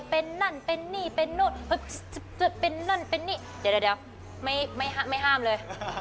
เป็นนั่นเป็นนี่เป็นนู่นจะเป็นนั่นเป็นนี่เดี๋ยวไม่ห้ามเลย